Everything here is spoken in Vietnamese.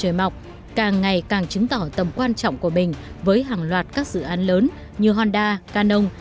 trời mọc càng ngày càng chứng tỏ tầm quan trọng của mình với hàng loạt các dự án lớn như honda canon